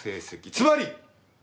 つまり。